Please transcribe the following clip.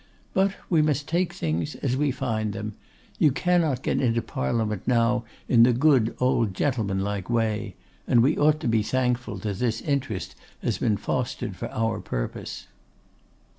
But we must take things as we find them. You cannot get into Parliament now in the good old gentlemanlike way; and we ought to be thankful that this interest has been fostered for our purpose.